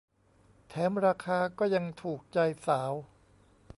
แถมราคาก็ยังถูกใจสาว